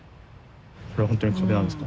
これ本当に壁なんですか。